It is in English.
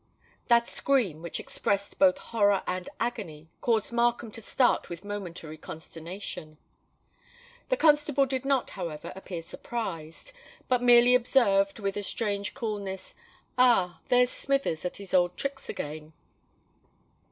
That scream, which expressed both horror and agony, caused Markham to start with momentary consternation. The constable did not, however, appear surprised; but merely observed with a strange coolness, "Ah! there's Smithers at his old tricks again."